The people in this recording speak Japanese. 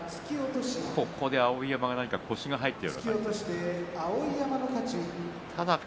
碧山が腰が入ったような感じでした。